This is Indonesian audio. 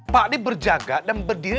pak ini berjaga dan berdiri